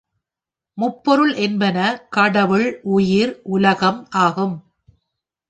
முப்பொருள் என்பன, கடவுள், உயிர், உலகம் ஆகும்.